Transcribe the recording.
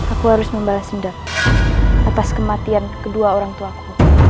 aku harus membalas dendam atas kematian kedua orangtuaku